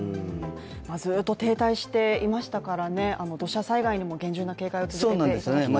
ずっと停滞していましたから、土砂災害にも厳重な警戒を続けていただきたいですね。